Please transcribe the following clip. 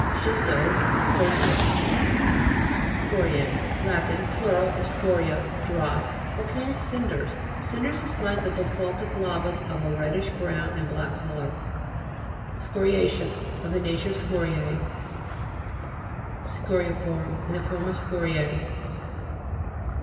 SCHISTO'SE Slaty. SCO'RI^ Lat. plur. of scoria, dross. Volcanic cinders. Cinders and slags of basaltic lavas of a reddish brown and black colour. SCORIA'CEOUS Of the nature of scoria?. SCO'RIFORM In form of scoriae.